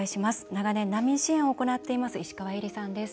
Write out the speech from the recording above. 長年、難民支援を行っています